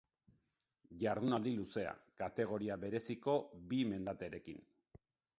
Jardunaldi luzea, kategoria bereziko bi mendaterekin.